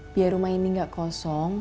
biar rumah ini nggak kosong